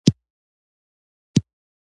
جمله معلومات وړاندي کوي.